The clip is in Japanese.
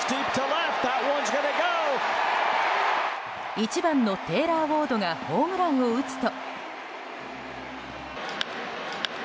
１番のテーラー・ウォードがホームランを打つと。